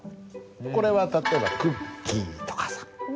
これは例えばクッキーとかさ。